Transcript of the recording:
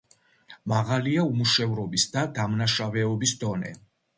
მაღალია უმუშევრობის და დამნაშავეობის დონე.